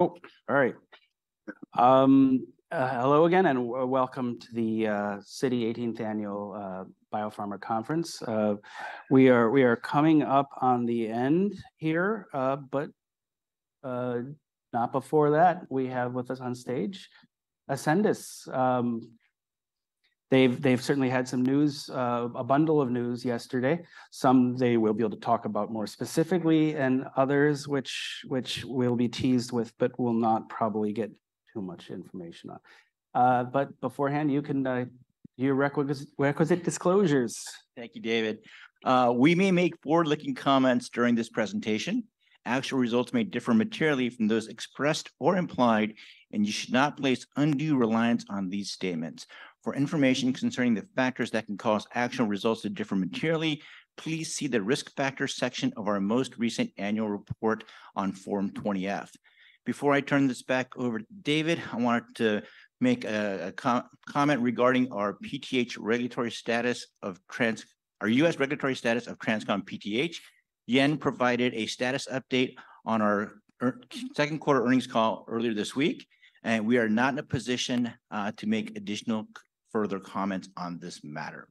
Oh, all right. Hello again, and welcome to the Citi Eighteenth Annual BioPharma Conference. We are coming up on the end here, but not before that, we have with us on stage Ascendis. They've certainly had some news, a bundle of news yesterday. Some they will be able to talk about more specifically, and others which will be teased with, but will not probably get too much information on. But beforehand, you can do your requisite disclosures. Thank you, David. We may make forward-looking comments during this presentation. Actual results may differ materially from those expressed or implied, and you should not place undue reliance on these statements. For information concerning the factors that can cause actual results to differ materially, please see the Risk Factors section of our most recent annual report on Form 20-F. Before I turn this back over to David, I wanted to make a comment regarding our PTH regulatory status of our US regulatory status of TransCon PTH. Jan provided a status update on our second quarter earnings call earlier this week, and we are not in a position to make additional further comments on this matter.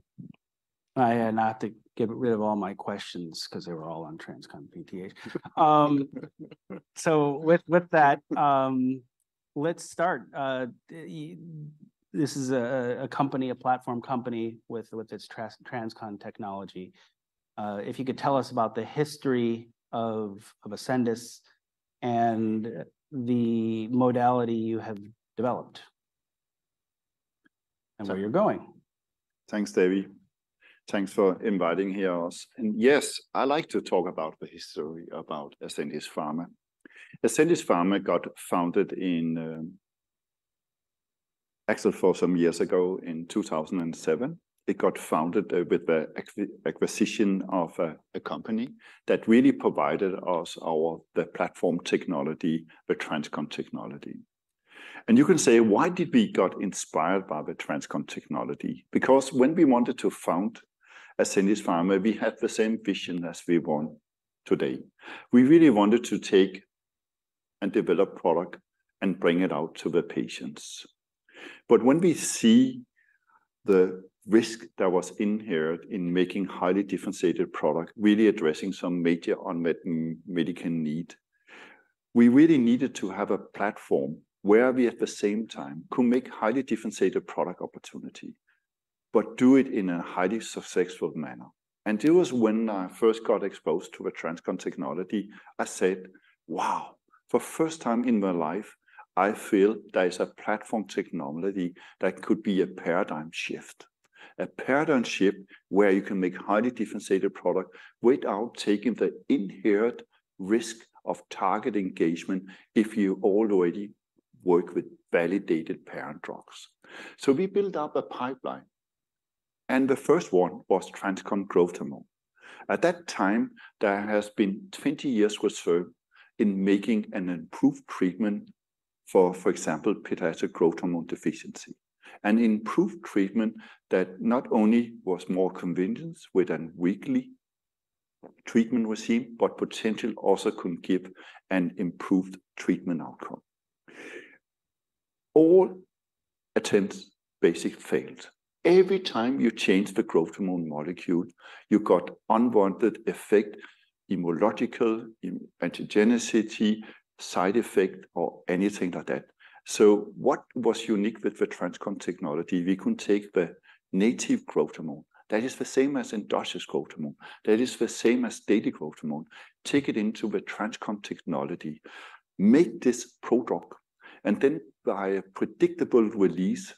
I had not to get rid of all my questions 'cause they were all on TransCon PTH. So with that, let's start. This is a company, a platform company with its TransCon technology. If you could tell us about the history of Ascendis and the modality you have developed, and where you're going. Thanks, David. Thanks for inviting us here. And yes, I like to talk about the history about Ascendis Pharma. Ascendis Pharma got founded in, actually, some years ago, in 2007. It got founded with the acquisition of a company that really provided us the platform technology, the TransCon technology. And you can say: Why did we got inspired by the TransCon technology? Because when we wanted to found Ascendis Pharma, we had the same vision as we want today. We really wanted to take and develop product and bring it out to the patients. But when we see the risk that was inherent in making highly differentiated product, really addressing some major unmet medical need, we really needed to have a platform where we, at the same time, could make highly differentiated product opportunity, but do it in a highly successful manner. It was when I first got exposed to the TransCon technology, I said, "Wow! For the first time in my life, I feel there is a platform technology that could be a paradigm shift." A paradigm shift where you can make highly differentiated product without taking the inherent risk of target engagement if you already work with validated parent drugs. So we built up a pipeline, and the first one was TransCon Growth Hormone. At that time, there has been 20 years research in making an improved treatment for, for example, pituitary growth hormone deficiency. An improved treatment that not only was more convenient with a weekly treatment regimen, but potentially also could give an improved treatment outcome. All attempts basically failed. Every time you change the growth hormone molecule, you got unwanted effect, immunological, antigenicity, side effect, or anything like that. So what was unique with the TransCon technology? We could take the native growth hormone, that is the same as industrial growth hormone, that is the same as daily growth hormone, take it into the TransCon technology, make this prodrug, and then by a predictable release,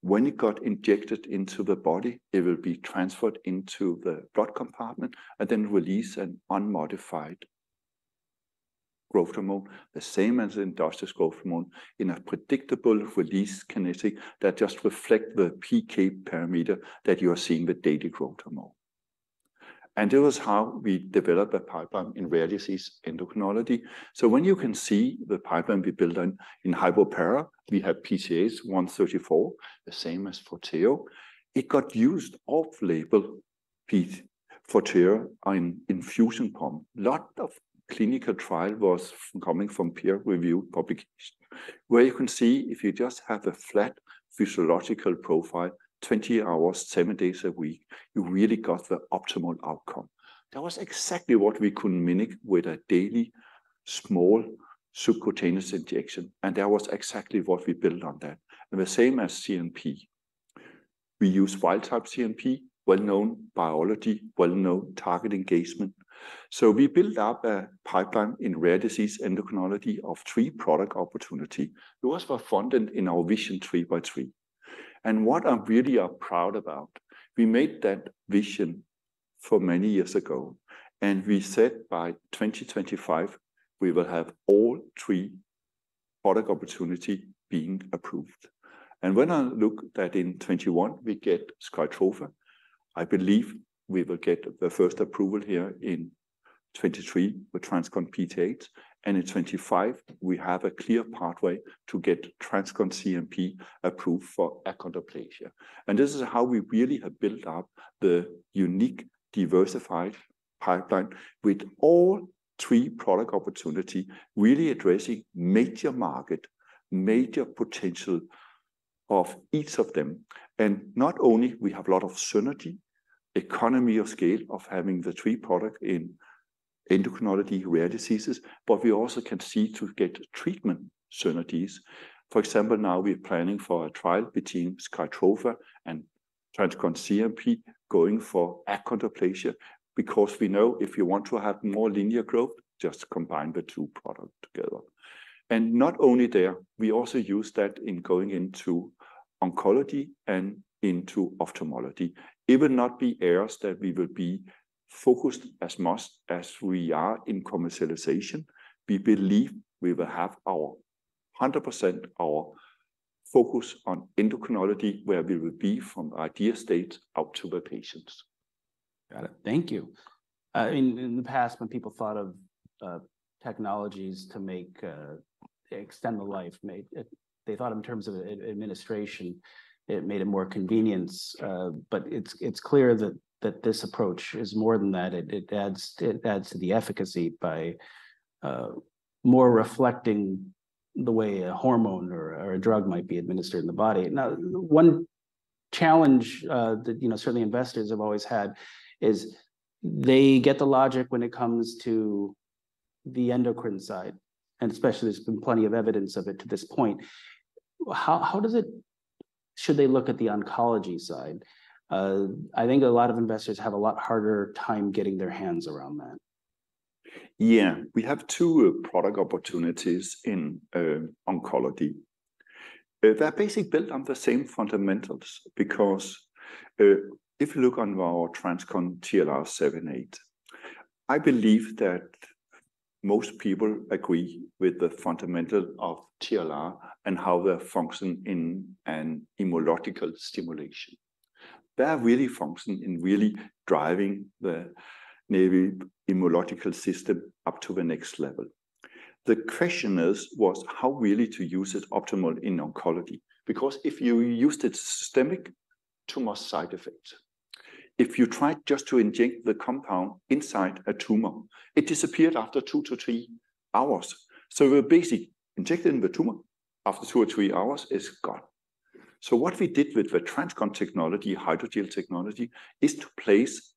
when it got injected into the body, it will be transferred into the blood compartment and then release an unmodified growth hormone, the same as industrial growth hormone, in a predictable release kinetics that just reflect the PK parameter that you are seeing with daily growth hormone. And this was how we developed a pipeline in rare disease endocrinology. So when you can see the pipeline we built on in hypoparathyroidism, we have PTH 1-34, the same as Forteo. It got used off-label, PTH Forteo, in infusion pump. lot of clinical trial was coming from peer-reviewed publications, where you can see if you just have a flat physiological profile, 20 hours, seven days a week, you really got the optimal outcome. That was exactly what we could mimic with a daily, small subcutaneous injection, and that was exactly what we built on that. And the same as CNP. We use wild-type CNP, well-known biology, well-known target engagement. So we built up a pipeline in rare disease endocrinology of three product opportunity. It was well-funded in our vision, three by three. And what I really are proud about, we made that vision for many years ago, and we said by 2025, we will have all three product opportunity being approved. And when I look that in 2021, we get Skytrofa, I believe we will get the first approval here in 2023 with TransCon PTH, and in 2025, we have a clear pathway to get TransCon CNP approved for achondroplasia. And this is how we really have built up the unique, diversified pipeline with all three product opportunity really addressing major market, major potential of each of them. And not only we have a lot of synergy, economy of scale of having the three product in endocrinology rare diseases, but we also can see to get treatment synergies. For example, now we are planning for a trial between Skytrofa and TransCon CNP, going for achondroplasia, because we know if you want to have more linear growth, just combine the two product together. And not only there, we also use that in going into oncology and into ophthalmology. It will not be areas that we will be focused as much as we are in commercialization. We believe we will have our 100%, our focus on endocrinology, where we will be from idea state out to the patients. Got it. Thank you. In the past, when people thought of technologies to make extend the life, they thought in terms of administration. It made it more convenient, but it's clear that this approach is more than that. It adds to the efficacy by more reflecting the way a hormone or a drug might be administered in the body. Now, one challenge that you know certainly investors have always had is they get the logic when it comes to the endocrine side, and especially there's been plenty of evidence of it to this point. How does it... Should they look at the oncology side? I think a lot of investors have a lot harder time getting their hands around that. Yeah. We have two product opportunities in oncology. They're basically built on the same fundamentals, because if you look on our TransCon TLR7/8, I believe that most people agree with the fundamental of TLR and how they function in an immunological stimulation. They're really functioning in really driving the maybe immunological system up to the next level. The question is, was how really to use it optimal in oncology? Because if you used it systemic, too much side effects. If you tried just to inject the compound inside a tumor, it disappeared after 2 to 3 hours. So we're basically injecting the tumor, after 2 or 3 hours, it's gone. So what we did with the TransCon technology, hydrogel technology, is to place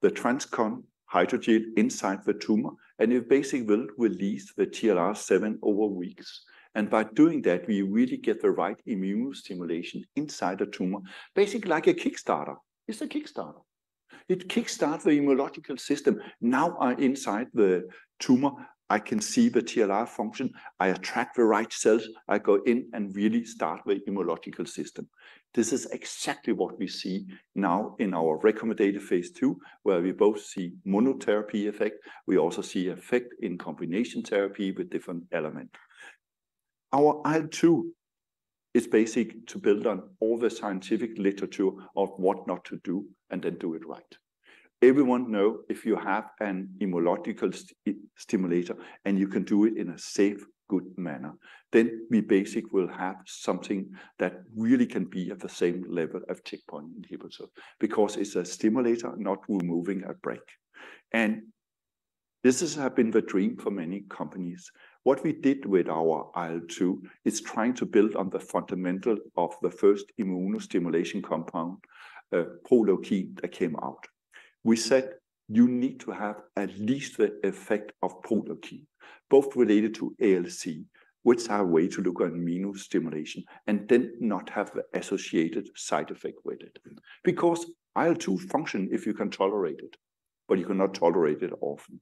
the TransCon Hydrogel inside the tumor, and it basically will release the TLR7 over weeks. By doing that, we really get the right immune stimulation inside the tumor. Basically, like a kickstarter. It's a kickstarter. It kickstart the immunological system. Now, inside the tumor, I can see the TLR function, I attract the right cells, I go in and really start the immunological system. This is exactly what we see now in our recommended phase two, where we both see monotherapy effect, we also see effect in combination therapy with different element. Our IL-2 is basic to build on all the scientific literature of what not to do and then do it right. Everyone know if you have an immunological stimulator and you can do it in a safe, good manner, then we basic will have something that really can be at the same level of checkpoint inhibitor, because it's a stimulator, not removing a break. This has been the dream for many companies. What we did with our IL-2 is trying to build on the fundamental of the first immuno stimulation compound, Proleukin, that came out. We said, "You need to have at least the effect of Proleukin, both related to ALC, which are way to look on immuno stimulation, and then not have the associated side effect with it." Because IL-2 function if you can tolerate it, but you cannot tolerate it often.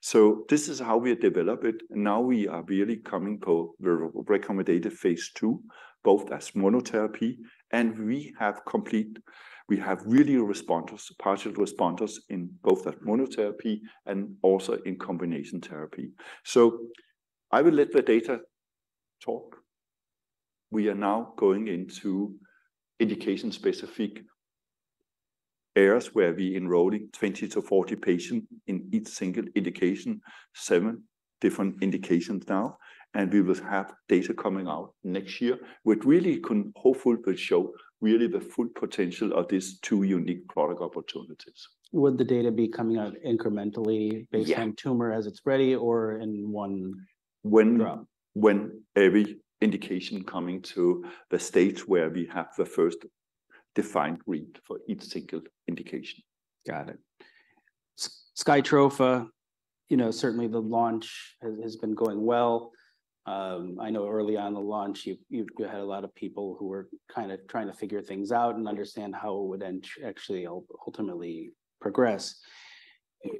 So this is how we develop it, and now we are really coming to the recommended phase 2, both as monotherapy, and we have really responders, partial responders in both that monotherapy and also in combination therapy. So I will let the data talk. We are now going into indication-specific areas where we enrolling 20-40 patients in each single indication, seven different indications now, and we will have data coming out next year, which really can hopefully will show really the full potential of these two unique product opportunities. Would the data be coming out incrementally? Yeah... based on tumor as it's ready, or in one drop? When every indication coming to the stage where we have the first defined read for each single indication. Got it. Skytrofa, you know, certainly the launch has been going well. I know early on in the launch, you've had a lot of people who were kinda trying to figure things out and understand how it would then actually ultimately progress.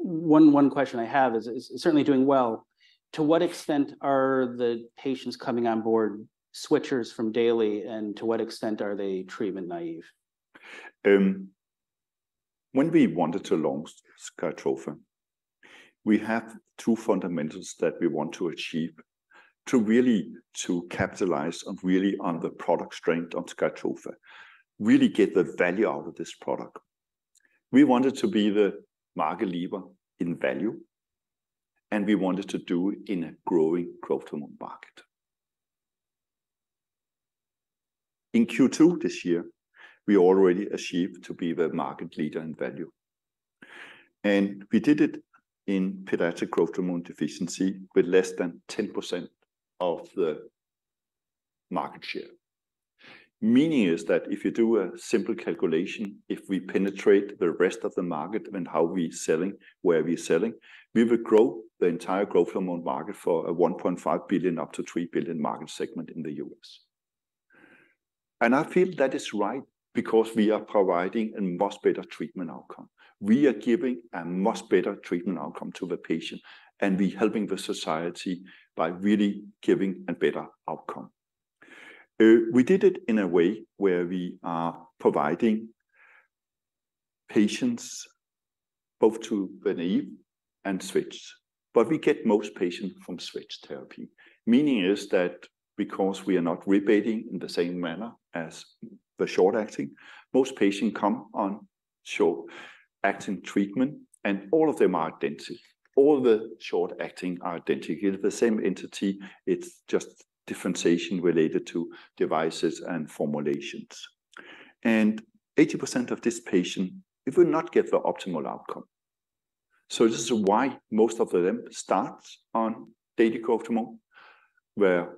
One question I have is, it's certainly doing well, to what extent are the patients coming on board switchers from daily, and to what extent are they treatment naive? When we wanted to launch Skytrofa, we have two fundamentals that we want to achieve, to really to capitalize on really on the product strength on Skytrofa, really get the value out of this product. We wanted to be the market leader in value, and we wanted to do it in a growing growth hormone market. In Q2 this year, we already achieved to be the market leader in value. And we did it in pediatric growth hormone deficiency with less than 10% of the market share. Meaning is that if you do a simple calculation, if we penetrate the rest of the market and how we're selling, where we're selling, we will grow the entire growth hormone market for a $1.5 billion-$3 billion market segment in the US. I feel that is right because we are providing a much better treatment outcome. We are giving a much better treatment outcome to the patient, and we're helping the society by really giving a better outcome. We did it in a way where we are providing patients both to naive and switch, but we get most patients from switch therapy. Meaning is that because we are not rebating in the same manner as the short-acting, most patients come on short-acting treatment, and all of them are identical. All the short-acting are identical. They're the same entity, it's just differentiation related to devices and formulations. And 80% of this patient, it will not get the optimal outcome. This is why most of them starts on daily growth hormone, where,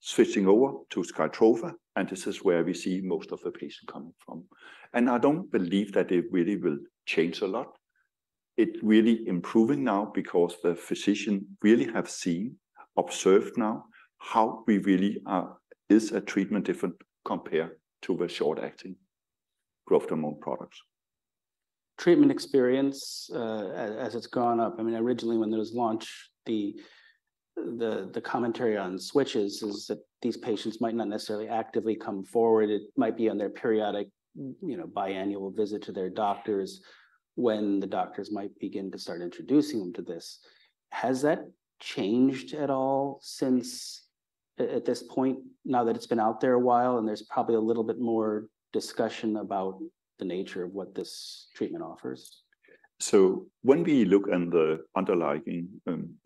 switching over to Skytrofa, and this is where we see most of the patients coming from. And I don't believe that it really will change a lot. It really improving now because the physician really have seen, observed now, how we really are... is a treatment different compared to the short-acting growth hormone products. Treatment experience, as it's gone up, I mean, originally when it was launched, the commentary on switches is that these patients might not necessarily actively come forward. It might be on their periodic, you know, biannual visit to their doctors when the doctors might begin to start introducing them to this. Has that changed at all since, at this point, now that it's been out there a while, and there's probably a little bit more discussion about the nature of what this treatment offers? So when we look in the underlying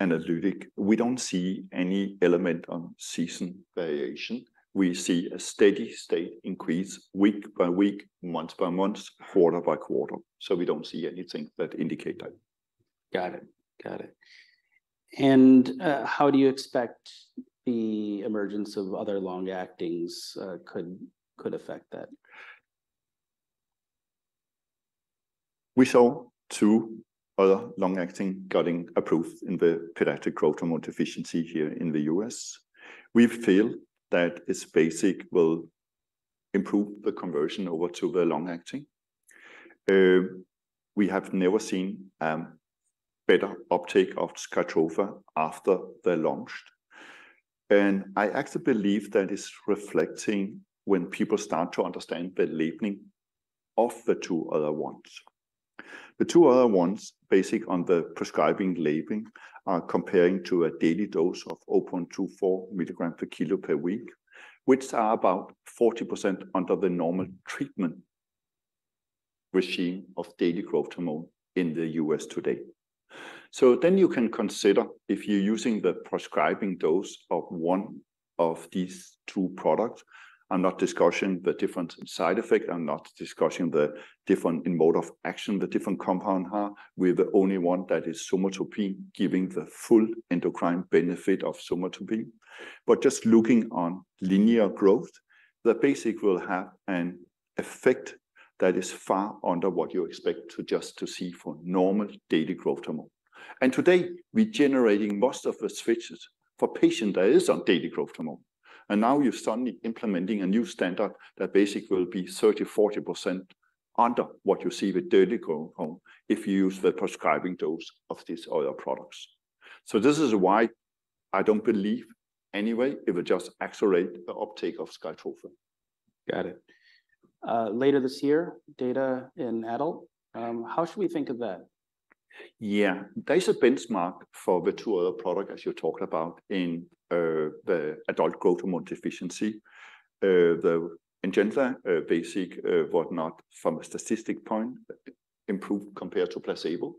analytics, we don't see any element of seasonal variation. We see a steady state increase week by week, month by month, quarter by quarter, so we don't see anything that indicates that. Got it. Got it. And, how do you expect the emergence of other long-actings could affect that? We saw two other long-acting getting approved in the pediatric growth hormone deficiency here in the U.S. We feel that it's basic will improve the conversion over to the long-acting. We have never seen better uptake of Skytrofa after they launched. And I actually believe that is reflecting when people start to understand the labeling of the two other ones. The two other ones, based on the prescribing labeling, are comparing to a daily dose of 0.24 milligram per kilogram per week, which are about 40% under the normal treatment regime of daily growth hormone in the U.S. today. So then you can consider if you're using the prescribing dose of one of these two products. I'm not discussing the different side effects. I'm not discussing the different mode of action the different compound have. We're the only one that is somatropin, giving the full endocrine benefit of somatropin. But just looking on linear growth, the basic will have an effect that is far under what you expect to just to see for normal daily growth hormone. And today, we're generating most of the switches for patient that is on daily growth hormone. And now you're suddenly implementing a new standard that basically will be 30%-40% under what you see with daily growth hormone if you use the prescribing dose of these other products. So this is why I don't believe any way it will just accelerate the uptake of Skytrofa. Got it. Later this year, data in adult, how should we think of that? Yeah. There's a benchmark for the two other product, as you talked about, in the adult growth hormone deficiency. The Ngenla, Sogroya, whatnot, from a statistical point, improved compared to placebo.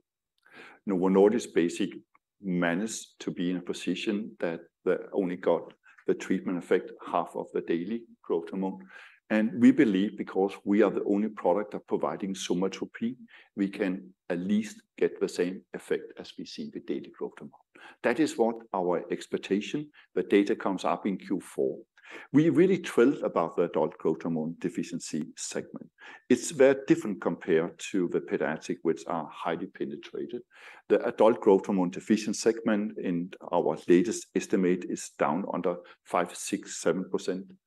Novo Nordisk's Sogroya managed to be in a position that they only got the treatment effect half of the daily growth hormone. We believe, because we are the only product of providing somatropin, we can at least get the same effect as we see with daily growth hormone. That is what our expectation. The data comes up in Q4. We're really thrilled about the adult growth hormone deficiency segment. It's very different compared to the pediatric, which are highly penetrated. The adult growth hormone deficient segment in our latest estimate is down under 5%-7% penetrated.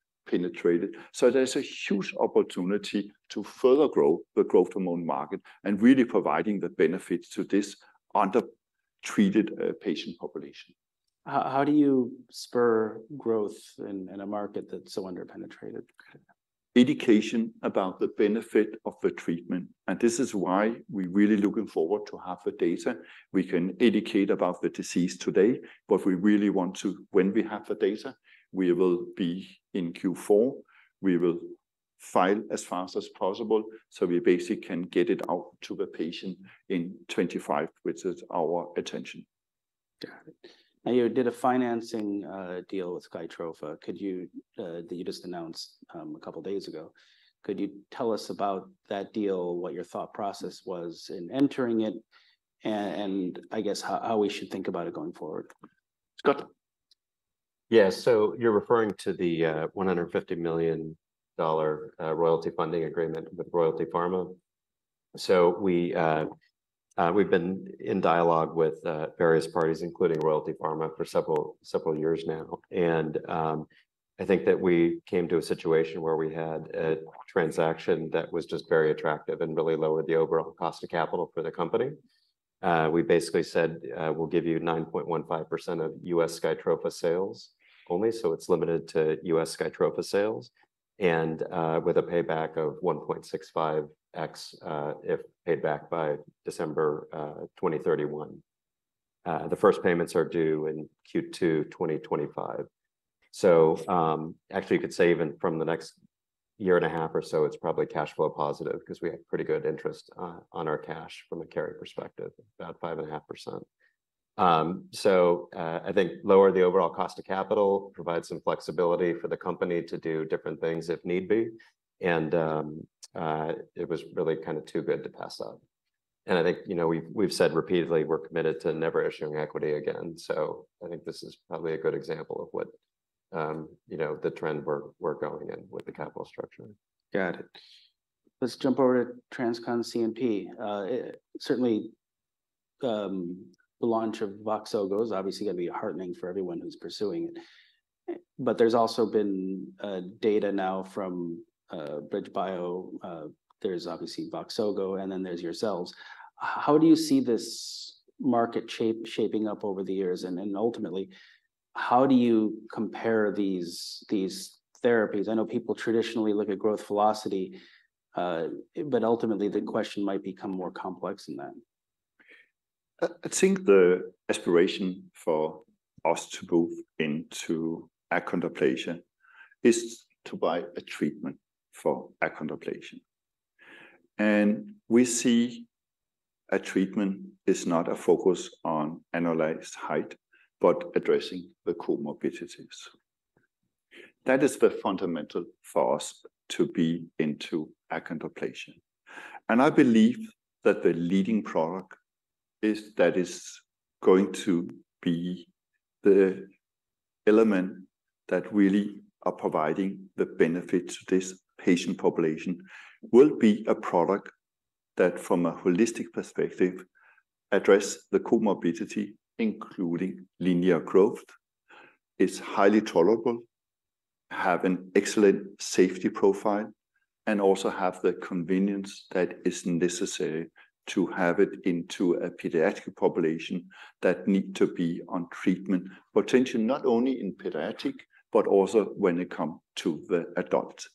So there's a huge opportunity to further grow the growth hormone market and really providing the benefits to this under-treated, patient population. How do you spur growth in a market that's so under-penetrated? Education about the benefit of the treatment, and this is why we're really looking forward to have the data. We can educate about the disease today, but we really want to... When we have the data, we will be in Q4. We will file as fast as possible, so we basically can get it out to the patient in 2025, which is our intention.... Got it. Now, you did a financing deal with SKYTROFA. Could you that you just announced a couple of days ago, could you tell us about that deal, what your thought process was in entering it, and I guess, how we should think about it going forward? Scott? Yeah. So you're referring to the $150 million royalty funding agreement with Royalty Pharma? So we we've been in dialogue with various parties, including Royalty Pharma, for several, several years now. And I think that we came to a situation where we had a transaction that was just very attractive and really lowered the overall cost of capital for the company. We basically said we'll give you 9.15% of US Skytrofa sales only, so it's limited to US Skytrofa sales, and with a payback of 1.65x if paid back by December 2031. The first payments are due in Q2 2025. So, actually, you could say even from the next year and a half or so, it's probably cash flow positive because we have pretty good interest on our cash from a carry perspective, about 5.5%. So, I think lower the overall cost of capital, provide some flexibility for the company to do different things if need be, and it was really kind of too good to pass up. And I think, you know, we've said repeatedly, we're committed to never issuing equity again. So I think this is probably a good example of what, you know, the trend we're going in with the capital structure. Got it. Let's jump over to TransCon CNP. Certainly, the launch of Voxzogo is obviously going to be heartening for everyone who's pursuing it. But there's also been data now from BridgeBio, there's obviously Voxzogo, and then there's yourselves. How do you see this market shaping up over the years? And ultimately, how do you compare these therapies? I know people traditionally look at growth velocity, but ultimately, the question might become more complex than that. I think the aspiration for us to move into achondroplasia is to buy a treatment for achondroplasia. And we see a treatment is not a focus on analyzed height, but addressing the comorbidities. That is the fundamental for us to be into achondroplasia. And I believe that the leading product is that is going to be the element that really are providing the benefit to this patient population, will be a product that, from a holistic perspective, address the comorbidity, including linear growth, is highly tolerable, have an excellent safety profile, and also have the convenience that is necessary to have it into a pediatric population that need to be on treatment, potentially not only in pediatric, but also when it come to the adult.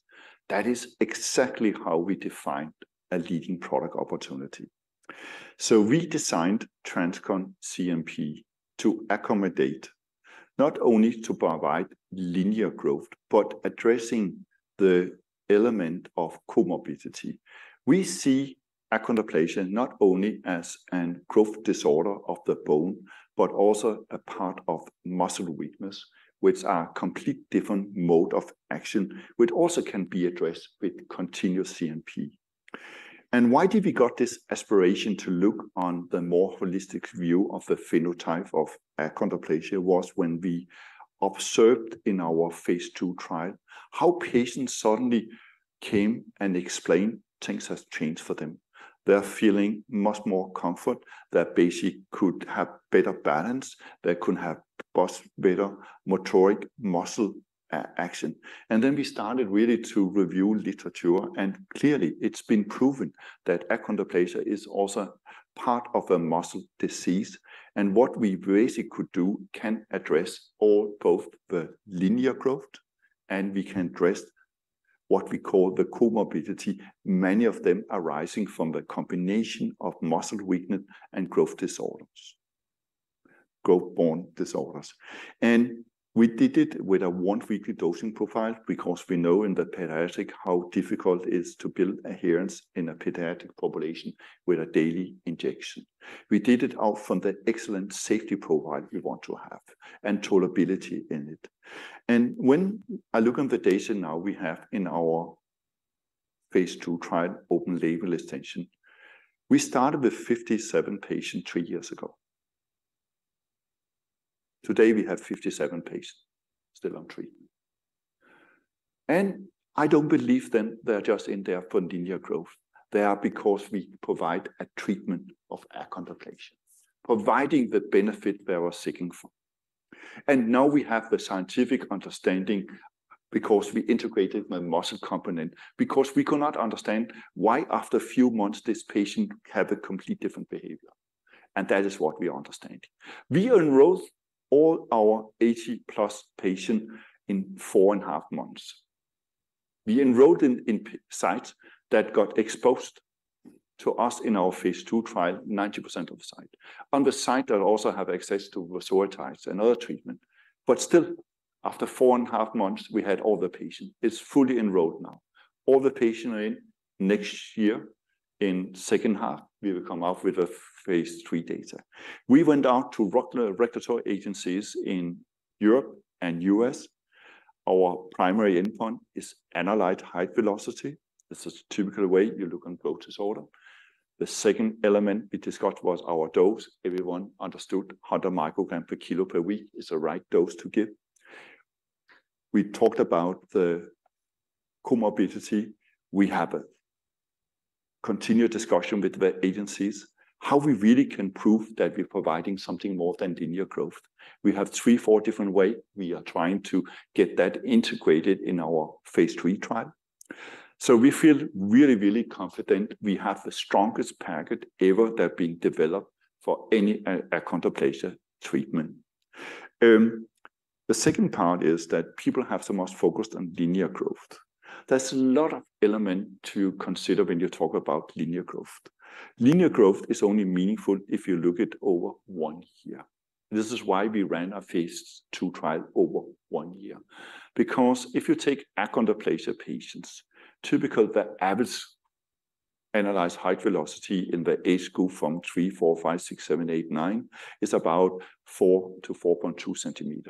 That is exactly how we defined a leading product opportunity. So we designed TransCon CNP to accommodate not only to provide linear growth, but addressing the element of comorbidity. We see achondroplasia not only as a growth disorder of the bone, but also a part of muscle weakness, which are complete different mode of action, which also can be addressed with continuous CNP. And why did we got this aspiration to look on the more holistic view of the phenotype of achondroplasia was when we observed in our phase 2 trial, how patients suddenly came and explained things has changed for them. They're feeling much more comfort, that basically could have better balance, they could have much better motoric muscle action. And then we started really to review literature, and clearly, it's been proven that achondroplasia is also part of a muscle disease. What we basically could do can address all, both the linear growth, and we can address what we call the comorbidity, many of them arising from the combination of muscle weakness and growth disorders, growth bone disorders. And we did it with a once-weekly dosing profile because we know in the pediatric how difficult it is to build adherence in a pediatric population with a daily injection. We did it out from the excellent safety profile we want to have and tolerability in it. And when I look on the data now we have in our phase 2 trial, open label extension, we started with 57 patients three years ago. Today, we have 57 patients still on treatment. And I don't believe them, they're just in there for linear growth. They are because we provide a treatment of achondroplasia, providing the benefit they were seeking for. Now we have the scientific understanding because we integrated the muscle component, because we could not understand why, after a few months, this patient have a complete different behavior. That is what we understand. We enrolled all our 80 plus patient in four and a half months. We enrolled in, in sites that got exposed to us in our phase two trial, 90% of the site. On the site, they also have access to corticosteroids and other treatment, but still, after four and a half months, we had all the patients. It's fully enrolled now. All the patient are in next year-... in second half, we will come out with a phase three data. We went out to reg- regulatory agencies in Europe and US. Our primary endpoint is annualized height velocity. This is typical way you look on growth disorder. The second element we discussed was our dose. Everyone understood 100 microgram per kilo per week is the right dose to give. We talked about the comorbidity. We have a continued discussion with the agencies, how we really can prove that we're providing something more than linear growth. We have three, four different way. We are trying to get that integrated in our phase 3 trial. So we feel really, really confident we have the strongest package ever that being developed for any achondroplasia treatment. The second part is that people have so much focused on linear growth. There's a lot of element to consider when you talk about linear growth. Linear growth is only meaningful if you look it over one year. This is why we ran our phase 2 trial over one year. Because if you take Achondroplasia patients, typical, the average annualized height velocity in the age group from 3, 4, 5, 6, 7, 8, 9, is about 4-4.2 cm.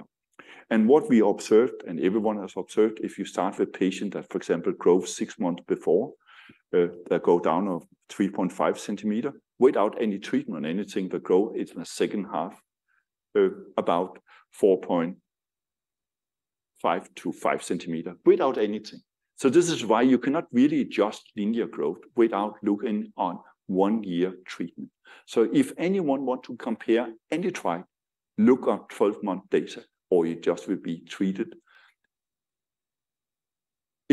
And what we observed, and everyone has observed, if you start with a patient that, for example, grew six months before that goes down to 3.5 cm without any treatment, anything, the growth is in the second half about 4.5-5 cm without anything. So this is why you cannot really adjust linear growth without looking at one-year treatment. So if anyone want to compare any trial, look at 12-month data, or you just will be treated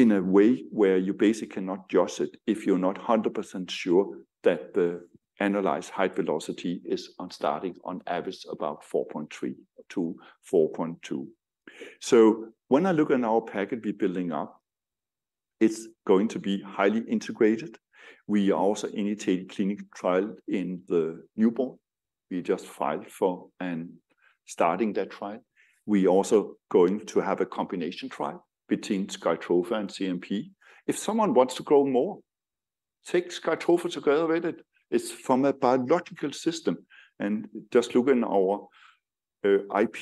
in a way where you basically cannot adjust it if you're not 100% sure that the annualized height velocity is on starting on average about 4.3-4.2. So when I look on our package we building up, it's going to be highly integrated. We also initiate clinical trial in the newborn. We just filed for and starting that trial. We also going to have a combination trial between Skytrofa and CMP. If someone wants to grow more, take Skytrofa together with it. It's from a biological system, and just look in our IP,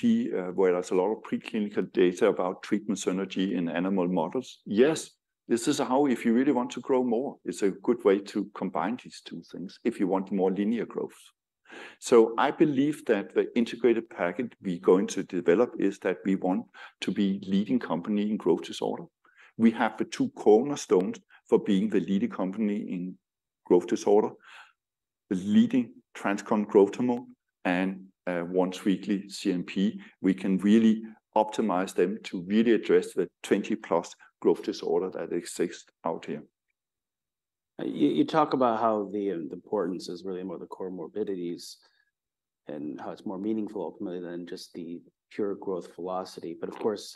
where there's a lot of preclinical data about treatment synergy in animal models. Yes, this is how if you really want to grow more, it's a good way to combine these two things, if you want more linear growth. So I believe that the integrated package we're going to develop is that we want to be leading company in growth disorder. We have the two cornerstones for being the leading company in growth disorder: the leading TransCon growth hormone and a once-weekly CMP. We can really optimize them to really address the 20+ growth disorder that exist out here. You talk about how the importance is really more the comorbidities and how it's more meaningful ultimately than just the pure growth velocity. But of course,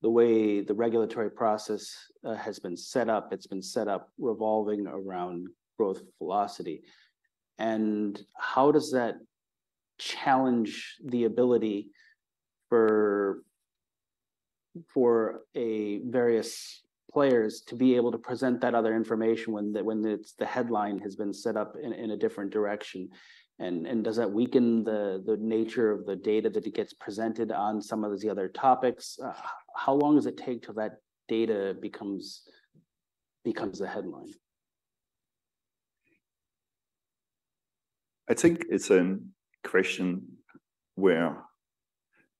the way the regulatory process has been set up, it's been set up revolving around growth velocity. And how does that challenge the ability for various players to be able to present that other information when the headline has been set up in a different direction? And does that weaken the nature of the data that it gets presented on some of the other topics? How long does it take till that data becomes the headline? I think it's a question where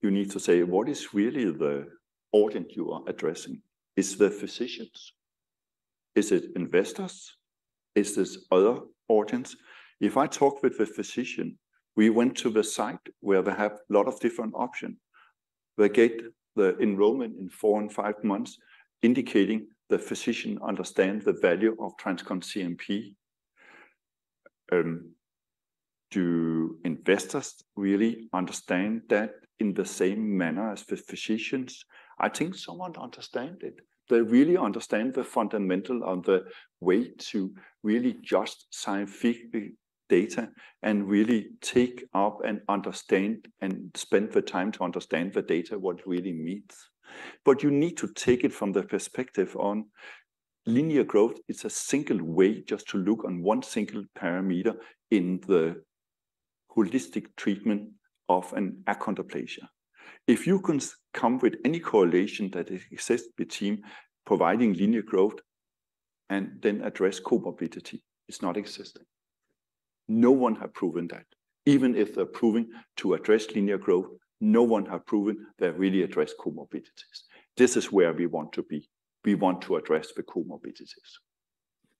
you need to say, what is really the audience you are addressing? Is it the physicians? Is it investors? Is this other audience? If I talk with the physician, we went to the site where they have a lot of different option. They get the enrollment in 4-5 months, indicating the physician understand the value of TransCon CNP. Do investors really understand that in the same manner as the physicians? I think someone understand it. They really understand the fundamental of the way to really just scientifically data and really take up and understand and spend the time to understand the data, what really means. But you need to take it from the perspective on linear growth, it's a single way just to look on one single parameter in the holistic treatment of an achondroplasia. If you can come with any correlation that exists between providing linear growth and then address comorbidity, it's not existing. No one have proven that. Even if they're proving to address linear growth, no one have proven they really address comorbidities. This is where we want to be. We want to address the comorbidities,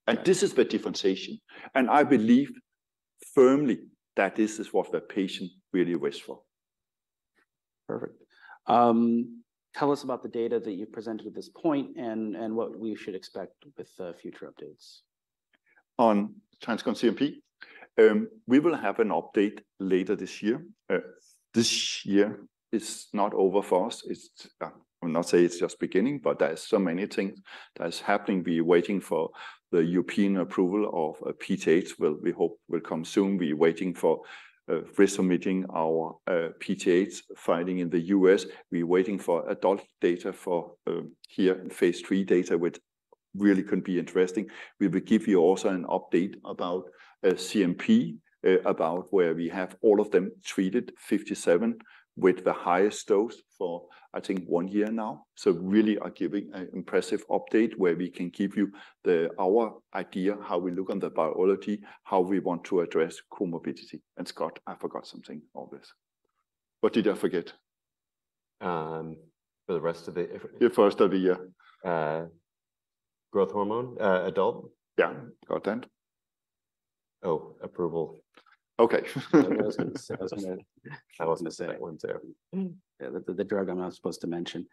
and this is the differentiation, and I believe firmly that this is what the patient really wish for. Perfect. Tell us about the data that you've presented at this point and what we should expect with the future updates. On TransCon CNP, we will have an update later this year. This year is not over for us. I will not say it's just beginning, but there are so many things that are happening. We're waiting for the European approval of PTH, which we hope will come soon. We're waiting for resubmitting our PTH filing in the U.S. We're waiting for adult data for, here, phase three data with—really could be interesting. We will give you also an update about CNP, about where we have all of them treated, 57, with the highest dose for, I think, one year now. Really are giving an impressive update where we can give you our idea, how we look on the biology, how we want to address comorbidity. Scott, I forgot something obvious. What did I forget? For the rest of the, if- Yeah, for rest of the year. Growth hormone, adult? Yeah, go ahead. Oh, approval. Okay. That was, that was me. I wasn't gonna say that one, too. Mm. Yeah, the drug I'm not supposed to mention.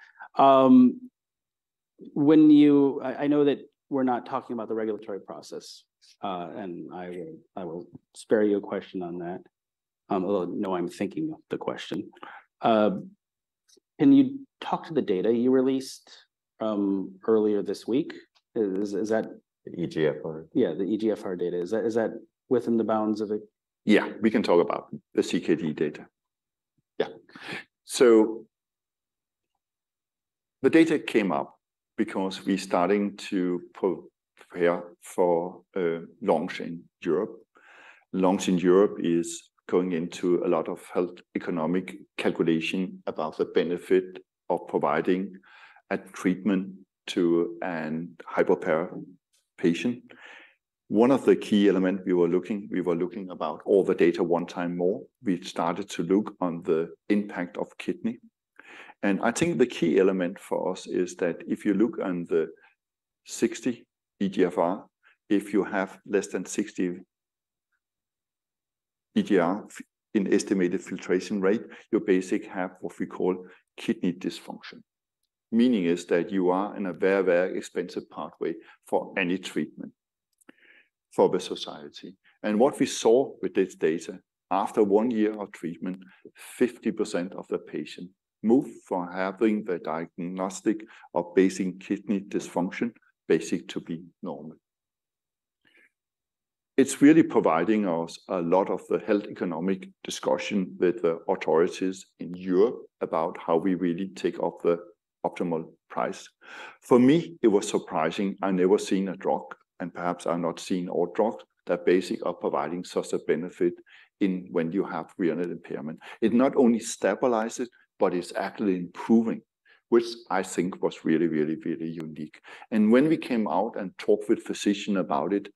When you—I know that we're not talking about the regulatory process, and I will spare you a question on that. Although, no, I'm thinking of the question. Can you talk to the data you released earlier this week? Is that- The EGFR? Yeah, the eGFR data. Is that, is that within the bounds of the Yeah, we can talk about the CKD data. Yeah. So the data came up because we're starting to prepare for a launch in Europe. Launch in Europe is going into a lot of health economic calculation about the benefit of providing a treatment to a hypopara patient. One of the key element we were looking, we were looking about all the data one time more. We started to look on the impact of kidney. And I think the key element for us is that if you look on the 60 eGFR, if you have less than 60 eGFR in estimated filtration rate, you basic have what we call kidney dysfunction. Meaning is that you are in a very, very expensive pathway for any treatment for the society. What we saw with this data, after one year of treatment, 50% of the patients moved from having the diagnosis of stage 3 kidney dysfunction, stage 3 to be normal. It's really providing us a lot of the health economic discussion with the authorities in Europe about how we really talk about the optimal price. For me, it was surprising. I never seen a drug, and perhaps I'm not seeing all drugs, that basically is providing such a benefit even when you have renal impairment. It not only stabilizes, but it's actually improving, which I think was really, really, really unique. And when we came out and talked with physicians about it,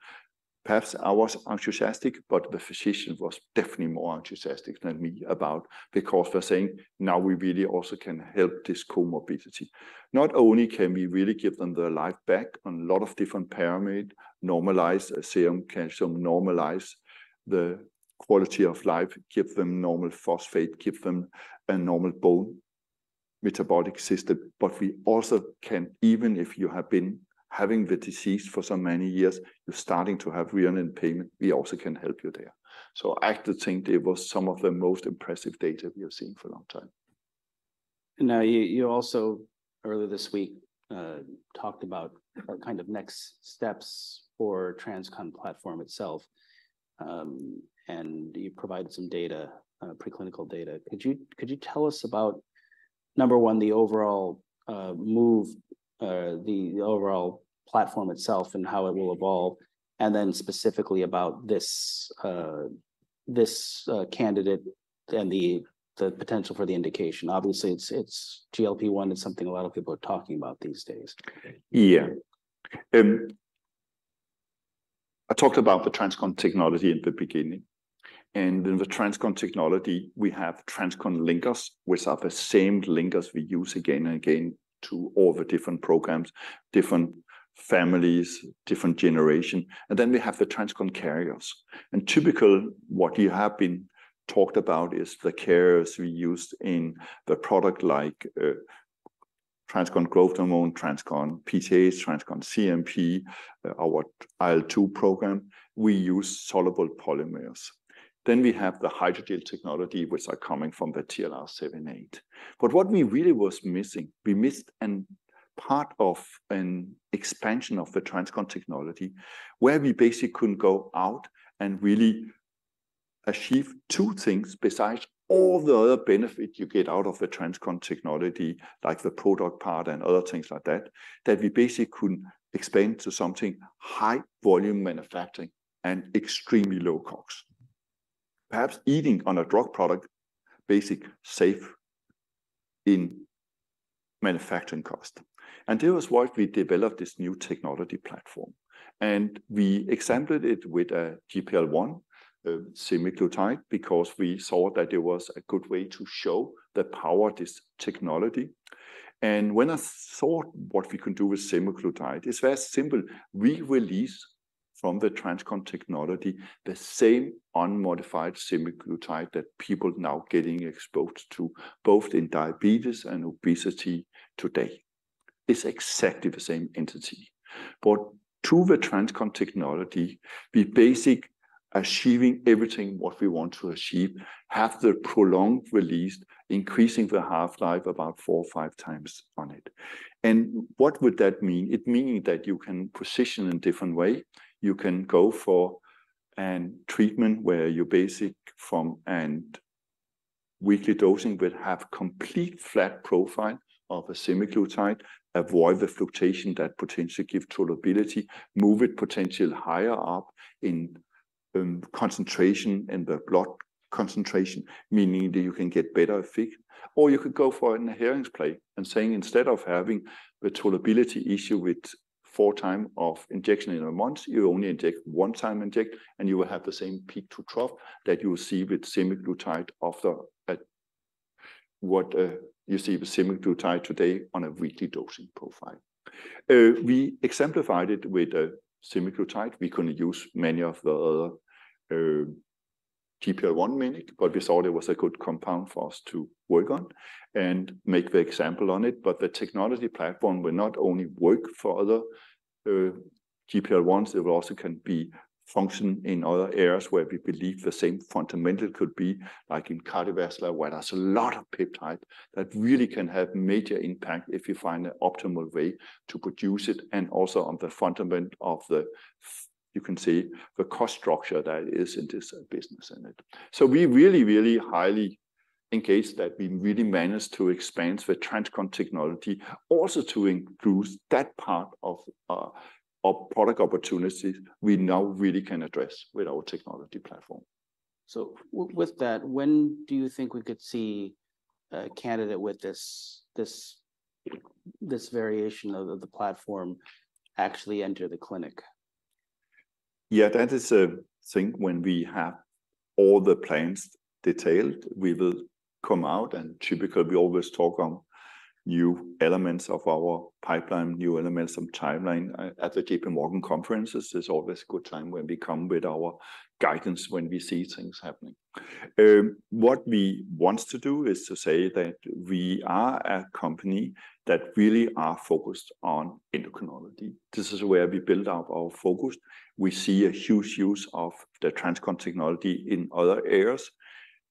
perhaps I was enthusiastic, but the physicians were definitely more enthusiastic than me about... Because they're saying, "Now we really also can help this comorbidity." Not only can we really give them their life back on a lot of different parameter, normalize serum calcium, normalize the quality of life, give them normal phosphate, give them a normal bone metabolic system, but we also can, even if you have been having the disease for so many years, you're starting to have renal impairment, we also can help you there. So I actually think it was some of the most impressive data we have seen for a long time. Now, you also, earlier this week, talked about kind of next steps for TransCon platform itself, and you provided some data, preclinical data. Could you tell us about, number one, the overall platform itself and how it will evolve, and then specifically about this candidate and the potential for the indication? Obviously, it's GLP-1 is something a lot of people are talking about these days. Yeah. I talked about the TransCon technology in the beginning, and in the TransCon technology, we have TransCon linkers, which are the same linkers we use again and again to all the different programs, different families, different generation. And then we have the TransCon carriers. And typically, what you have been talked about is the carriers we used in the product like TransCon Growth Hormone, TransCon PTH, TransCon CNP, our IL-2 program. We use soluble polymers. Then we have the hydrogel technology, which are coming from the TLR7/8. But what we really was missing, we missed a part of an expansion of the TransCon technology, where we basically couldn't go out and really achieve two things, besides all the other benefit you get out of the TransCon technology, like the product part and other things like that, that we basically couldn't expand to something high volume manufacturing and extremely low costs. Perhaps even on a drug product, basic safe in manufacturing cost. This was why we developed this new technology platform. We examined it with a GLP-1, semaglutide, because we thought that it was a good way to show the power of this technology. When I thought what we can do with semaglutide, it's very simple. We release from the TransCon technology the same unmodified semaglutide that people now getting exposed to, both in diabetes and obesity today. It's exactly the same entity. But through the TransCon technology, we basically achieving everything what we want to achieve, have the prolonged release, increasing the half-life about four or five times on it. And what would that mean? It mean that you can position in different way. You can go for a treatment where you basically from weekly dosing will have complete flat profile of a semaglutide, avoid the fluctuation that potentially give tolerability, move it potentially higher up in, concentration in the blood concentration, meaning that you can get better effect. Or you could go for an adherence play, and saying instead of having the tolerability issue with four times of injection in a month, you only inject one time inject, and you will have the same peak to trough that you will see with semaglutide today on a weekly dosing profile. We exemplified it with semaglutide. We couldn't use many of the other GLP-1 mimic, but we thought it was a good compound for us to work on and make the example on it. But the technology platform will not only work for other GLP-1s, it will also can be function in other areas where we believe the same fundamental could be, like in cardiovascular, where there's a lot of peptide that really can have major impact if you find an optimal way to produce it, and also on the fundamental of the, you can say, the cost structure that is in this business in it. So we really, really highly embrace that we really managed to expand the TransCon technology also to include that part of our product opportunities we now really can address with our technology platform. So with that, when do you think we could see a candidate with this variation of the platform actually enter the clinic? Yeah, that is a thing when we have all the plans detailed, we will come out, and typically we always talk on new elements of our pipeline, new elements of timeline. At the JPMorgan conferences is always a good time when we come with our guidance when we see things happening. What we want to do is to say that we are a company that really are focused on endocrinology. This is where we build up our focus. We see a huge use of the TransCon technology in other areas,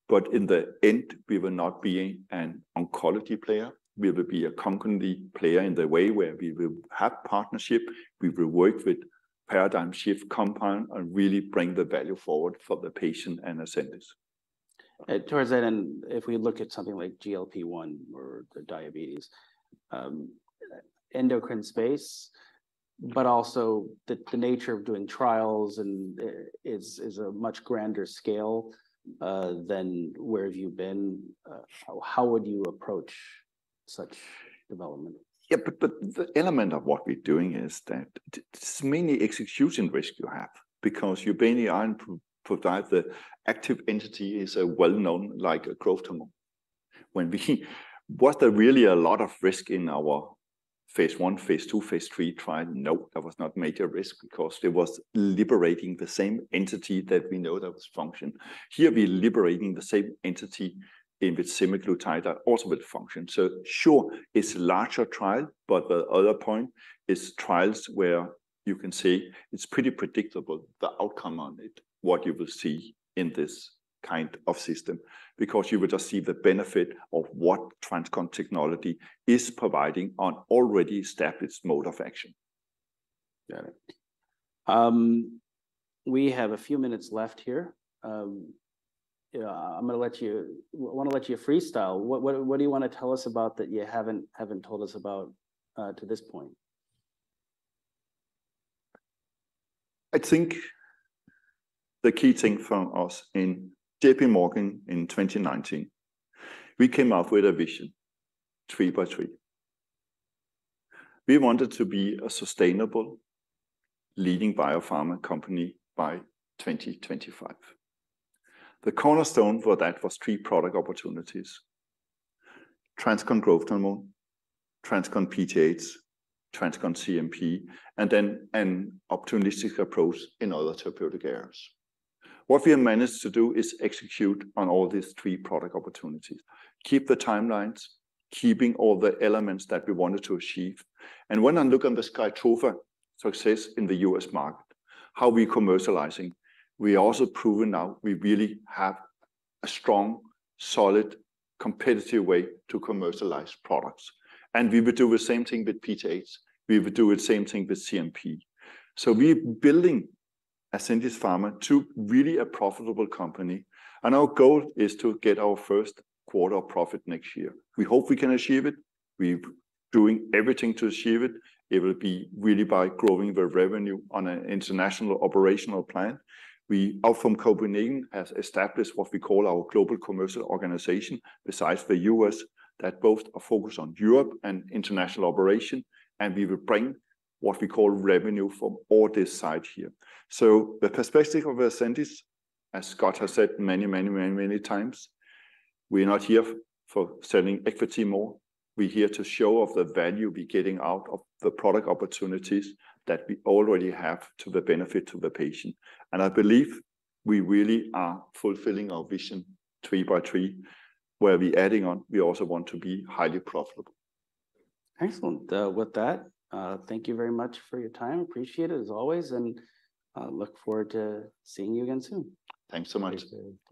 but in the end, we will not be an oncology player. We will be a concurrent player in the way where we will have partnership, we will work with paradigm shift compound and really bring the value forward for the patient and Ascendis. Towards that end, if we look at something like GLP-1 or the diabetes endocrine space, but also the nature of doing trials and is a much grander scale than where have you been, how would you approach such development? Yeah, but the element of what we're doing is that it's mainly execution risk you have, because you're being able to provide the active entity is a well-known, like a growth hormone. Was there really a lot of risk in our phase one, phase two, phase three trial? No, that was not major risk because it was liberating the same entity that we know that was function. Here, we're liberating the same entity with Semaglutide that also will function. So sure, it's a larger trial, but the other point is trials where you can see it's pretty predictable, the outcome on it, what you will see in this kind of system, because you will just see the benefit of what TransCon technology is providing on already established mode of action. Got it. We have a few minutes left here. I'm gonna let you wanna let you freestyle. What, what, what do you wanna tell us about that you haven't, haven't told us about to this point? I think the key thing for us in JPMorgan in 2019, we came up with a vision, three by three. We wanted to be a sustainable leading biopharma company by 2025. The cornerstone for that was three product opportunities: TransCon Growth Hormone, TransCon PTH, TransCon CNP, and then an opportunistic approach in other therapeutic areas. What we have managed to do is execute on all these three product opportunities, keep the timelines, keeping all the elements that we wanted to achieve. And when I look on the Skytrofa success in the US market, how we commercializing, we also proven now we really have a strong, solid, competitive way to commercialize products. And we will do the same thing with PTH. We will do the same thing with CNP. So we're building Ascendis Pharma to really a profitable company, and our goal is to get our first quarter profit next year. We hope we can achieve it. We're doing everything to achieve it. It will be really by growing the revenue on an international operational plan. We, out from Copenhagen, has established what we call our global commercial organization, besides the US, that both are focused on Europe and international operation, and we will bring what we call revenue from all this side here. So the perspective of Ascendis, as Scott has said many, many, many, many times, we're not here for selling equity more. We're here to show off the value we're getting out of the product opportunities that we already have to the benefit to the patient. I believe we really are fulfilling our vision three by three, where we're adding on, we also want to be highly profitable. Excellent. With that, thank you very much for your time. Appreciate it, as always, and look forward to seeing you again soon. Thanks so much.